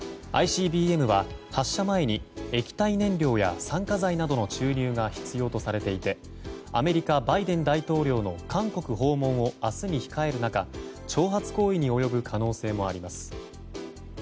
ＩＣＢＭは発射前に液体燃料や酸化剤などの注入が必要とされていてアメリカ、バイデン大統領の韓国訪問を明日に控える中、挑発行為に及ぶ可能性もあります。